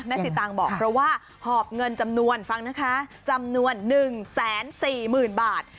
สิตางบอกเพราะว่าหอบเงินจำนวนฟังนะคะจำนวน๑๔๐๐๐บาท